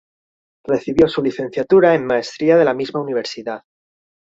Recibió su licenciatura en maestría de la misma universidad.